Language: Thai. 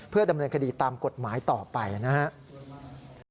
ดำเนินคดีตามกฎหมายต่อไปนะครับ